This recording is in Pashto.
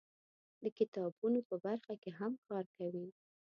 د کتابونو په برخه کې هم کار کوي.